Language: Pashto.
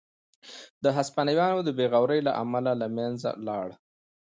د هسپانویانو د بې غورۍ له امله له منځه لاړ.